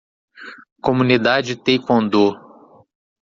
Comunidade Taekwondo